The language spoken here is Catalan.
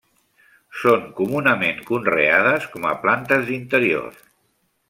Són comunament conreades com a plantes d'interior.